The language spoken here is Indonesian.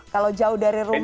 kalau jauh dari rumah